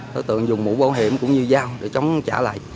đối tượng dùng mũ bảo hiểm cũng như dao để chống trả lại